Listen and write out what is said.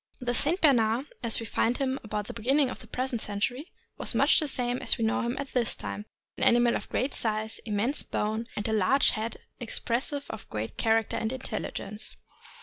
553 The St. Bernard as we find him about the beginning of the present century was much the same as we know him at this time, an animal of great size, immense bone, and a large head expressive of great character and intelligence.